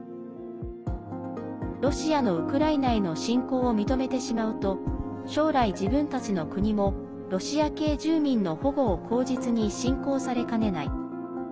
ロシアのウクライナへの侵攻を認めてしまうと将来、自分たちの国もロシア系住民の保護を口実に侵攻されかねない。